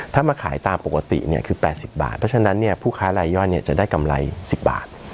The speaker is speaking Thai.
ถ้ามาขายตามปกติเนี่ยคือ๘๐บาทเพราะฉะนั้นเนี่ยผู้ค้ายลายย่อยเนี่ยจะได้กำไร๑๐บาท